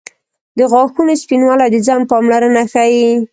• د غاښونو سپینوالی د ځان پاملرنه ښيي.